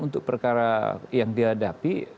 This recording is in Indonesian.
untuk perkara yang dihadapi